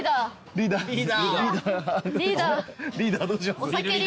リーダーどうします？